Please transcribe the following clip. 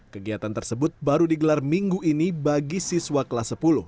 kegiatan tersebut baru digelar minggu ini bagi siswa kelas sepuluh